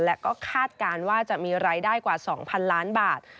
และก็คาดการณ์ว่าจะมีรายได้กว่า๒๐๐๐ล้านบาท